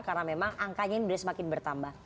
karena memang angkanya ini semakin bertambah